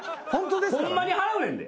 ホンマに払うねんで。